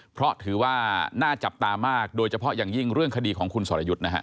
เพราะถือว่าน่าจับตามากโดยเฉพาะอย่างยิ่งเรื่องคดีของคุณสรยุทธ์นะฮะ